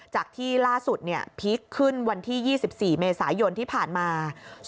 จากที่ล่าสุดพีคขึ้นวันที่๒๔เมษายนที่ผ่านมา